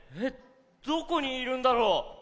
どこにいるんだろう。